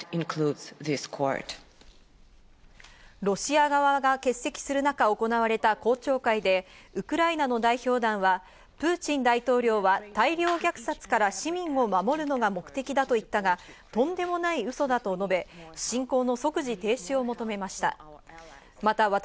ロシア側が欠席するなか行われた公聴会で、ウクライナの代表団は、プーチン大統領は大量虐殺から市民を守るのが目的だと言ったが、とんでもない嘘だと述べ、侵攻の即時停止を求めました。